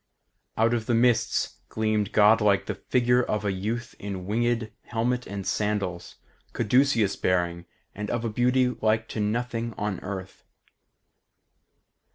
Out of the mists gleamed godlike the figure of a youth in winged helmet and sandals, caduceus bearing, and of a beauty like to nothing on earth.